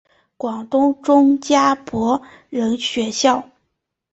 广东中加柏仁学校。